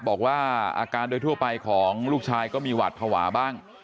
บอกว่าอาการโดยทั่วไปของลูกชายก็มีหวาดภาวะบ้าง